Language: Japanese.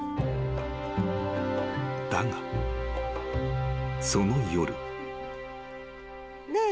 ［だがその夜］